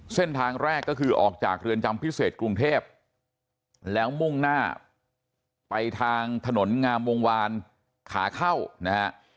เส้นทางแรกก็คือออกจากเรือนจำพิเศษกรุงเทพแล้วมุ่งหน้าไปทางถนนงามวงวานขาเข้านะฮะ